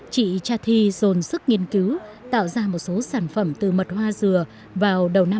chị trai thi dồn sức nghiên cứu tạo ra một số sản phẩm từ mật hoa dừa vào đầu năm hai nghìn một mươi chín